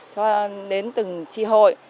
cho đến từng tri hội